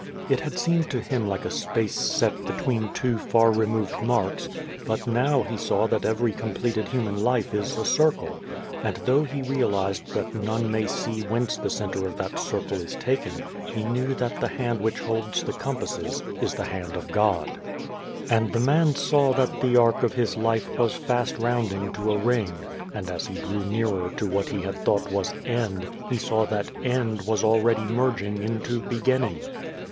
It had seemed to him like a space set between two far removed marks, but now he saw that every completed human life is a circle ; and though he realised that none may see whence the centre of that circle is taken, he knew that the hand which holds the compasses is the hand of God. 21 The Dream of the Dead Folk And the man saw that the arc of his life was fast rounding to a ring, and as he drew nearer to what he had thought was End, he saw that End was already merging into Beginning.